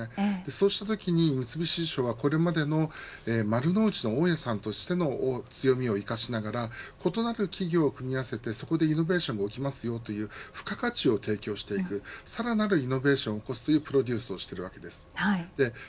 そうしたときに三菱地所はこれまでの丸の内の大家さんとしての強みを生かしながら異なる企業を組み合わせてそこでイノベーションが起きるという付加価値を提供していくさらなるイノベーションを起こすというプロデュースをしています。